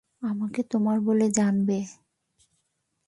আমাকে তোমার বলে জানবে।